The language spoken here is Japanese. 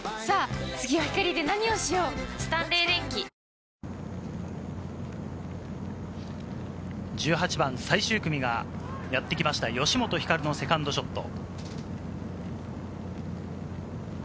「セラムシールド」誕生１８番、最終組がやってきました吉本ひかるのセカンドショット。